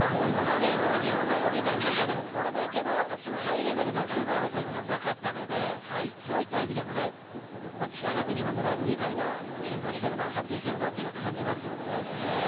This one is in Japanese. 日本ラグビー界の中でも、これだけのハイレベルな１０番争いはなかったので、そういった意味でも間違いなく日本のラグビー界が進歩している、発展しているのを感じますね。